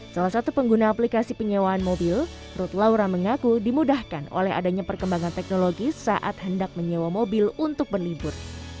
salah satu pengguna aplikasi penyewaan mobil ruth laura mengaku dimudahkan oleh adanya perkembangan teknologi saat hendak menyewa mobil untuk berlibur